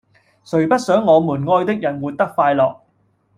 誰不想我們愛的人活得快樂